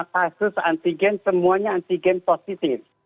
kasus antigen semuanya antigen positif